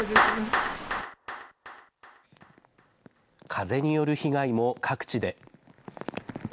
風による被害も各地で。